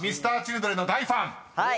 ［Ｍｒ．Ｃｈｉｌｄｒｅｎの大ファン。